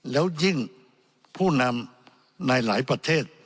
แล้วยิ่งผู้นำในหลายประเทศ